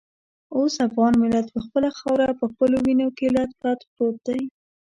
اوس افغان ملت پر خپله خاوره په خپلو وینو کې لت پت پروت دی.